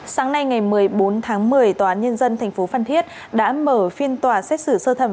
sáng nay ngày một mươi bốn tháng một mươi tòa án nhân dân tp phan thiết đã mở phiên tòa xét xử sơ thẩm